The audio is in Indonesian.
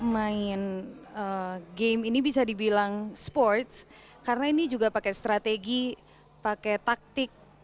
main game ini bisa dibilang sports karena ini juga pakai strategi pakai taktik